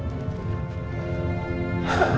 terima kasih pak